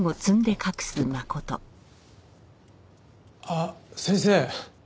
あっ先生。